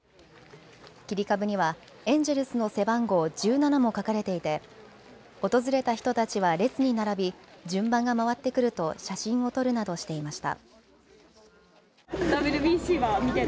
切り株にはエンゼルスの背番号１７も書かれていて訪れた人たちは列に並び順番が回ってくると写真を撮るなどしていました。